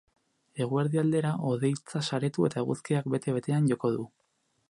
Eguerdi aldera hodeitza saretu eta eguzkiak bete betean joko du.